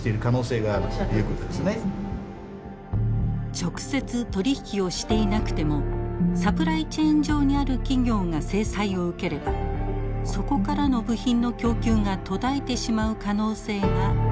直接取り引きをしていなくてもサプライチェーン上にある企業が制裁を受ければそこからの部品の供給が途絶えてしまう可能性が浮き彫りになりました。